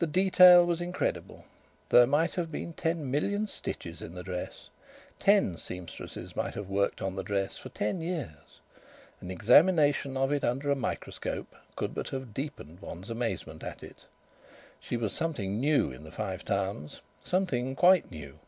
The detail was incredible. There might have been ten million stitches in the dress. Ten sempstresses might have worked on the dress for ten years. An examination of it under a microscope could but have deepened one's amazement at it. She was something new in the Five Towns, something quite new.